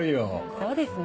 そうですね。